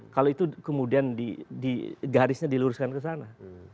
kalau itu kemudian di garisnya diluruskan ke sana